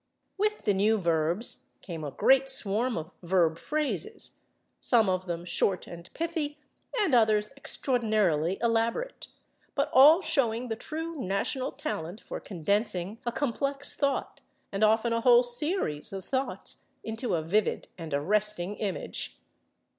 With the new verbs came a great swarm of verb phrases, some of them short and pithy and others extraordinarily elaborate, but all showing the true national talent for condensing a complex thought, and often a whole series of thoughts, into a vivid and arresting image.